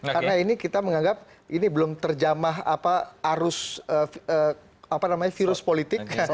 karena ini kita menganggap ini belum terjamah arus virus politik